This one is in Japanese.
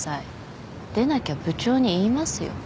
でなきゃ部長に言いますよ？